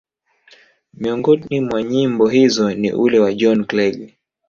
miongoni mwa nyimbo hizo ni ule wa Johnny Clegg